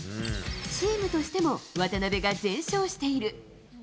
チームとしても渡邊が全勝している。